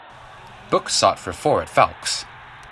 Book sot for four at Fowlkes